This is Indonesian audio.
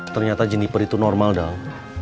ternyata jeniper itu normal dal